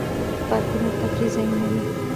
پارکونه د تفریح ځایونه دي